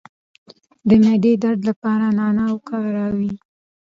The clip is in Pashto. د معدې درد لپاره نعناع وکاروئ